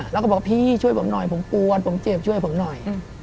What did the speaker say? แล้วก็บอกพี่ช่วยผมหน่อยผมกวนผมเจ็บช่วยผมหน่อย